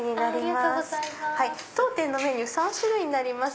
当店のメニュー３種類になります。